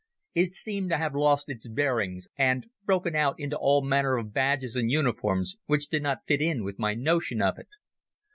It seemed to have lost its bearings and broken out into all manner of badges and uniforms which did not fit in with my notion of it.